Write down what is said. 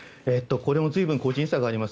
これも随分個人差があります。